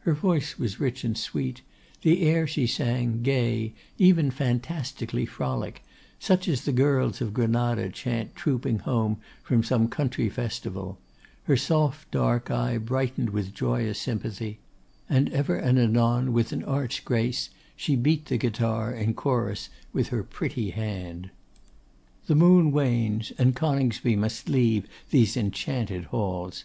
Her voice was rich and sweet; the air she sang gay, even fantastically frolic, such as the girls of Granada chaunt trooping home from some country festival; her soft, dark eye brightened with joyous sympathy; and ever and anon, with an arch grace, she beat the guitar, in chorus, with her pretty hand. The moon wanes; and Coningsby must leave these enchanted halls.